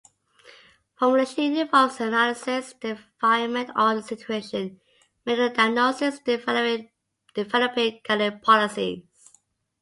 "Formulation" involves analyzing the environment or situation, making a diagnosis, and developing guiding policies.